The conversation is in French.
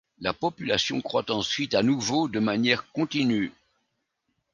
La population croît ensuite à nouveau de manière continue.